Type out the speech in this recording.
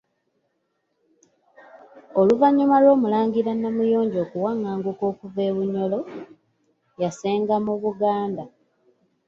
Oluvannyuma lw’Omulangira Namuyonjo okuwaŋŋanguka okuva e Bunyoro, yasenga mu Buganda.